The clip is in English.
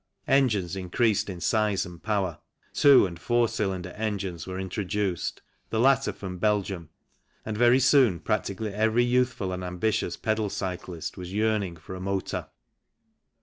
Engines increased in size and power, two and four cyclinder engines were introduced, the latter from Belguim, and very soon practically every THE MOTOR CYCLE 109 youthful and ambitious pedal cyclist was yearning for a motor.